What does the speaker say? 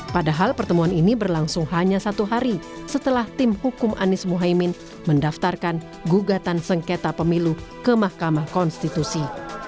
padahal pertemuan ini berlangsung hanya satu hari setelah tim hukum anies mohaimin mendaftarkan gugatan sengketa pemilu ke mahkamah konstitusi